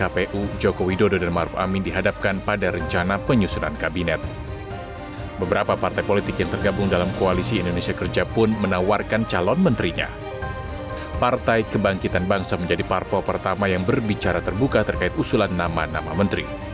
pdip menganggap hal itu adalah hak prerogatif presiden